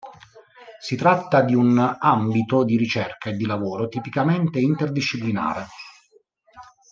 Si tratta di un àmbito di ricerca e di lavoro tipicamente interdisciplinare.